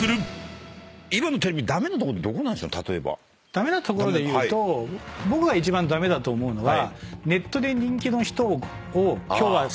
駄目なところでいうと僕が一番駄目だと思うのは。